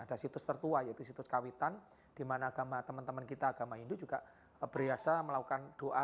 ada situs tertua yaitu situs kawitan di mana agama teman teman kita agama hindu juga berhiasa melakukan doa